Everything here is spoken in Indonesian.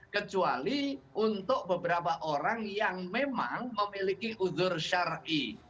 kecuali untuk beberapa orang yang memang memiliki uzur syari